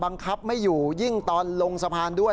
บังคับไม่อยู่ยิ่งตอนลงสะพานด้วย